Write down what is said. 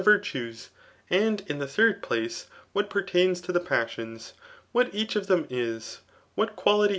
vu'tues, and ia thethird plaee wliat peartaifls to the passbns, what each^ them is, what qnality.